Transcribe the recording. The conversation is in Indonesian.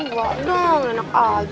wah enak aja